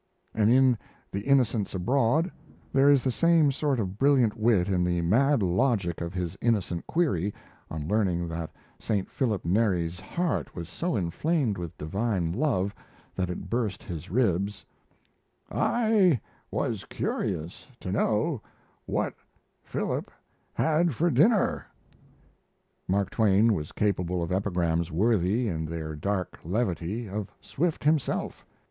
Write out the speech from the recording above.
And in The Innocents Abroad there is the same sort of brilliant wit in the mad logic of his innocent query, on learning that St. Philip Neri's heart was so inflamed with divine love that it burst his ribs: "I was curious to know what Philip had for dinner." Mark Twain was capable of epigrams worthy, in their dark levity, of Swift himself.